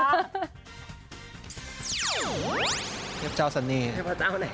เทพเจ้าสันนี่ครับ